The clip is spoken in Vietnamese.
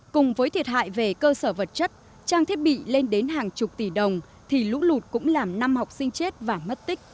cùng với thiệt hại về cơ sở vật chất trang thiết bị lên đến hàng chục tỷ đồng thì lũ lụt cũng làm năm học sinh chết